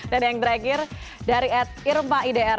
dan yang terakhir dari ed irma idr